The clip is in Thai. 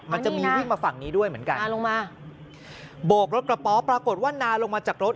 มันจะมีวิ่งมาฝั่งนี้ด้วยเหมือนกันโบกรถกระป๋อปรากฏว่านาลงมาจากรถ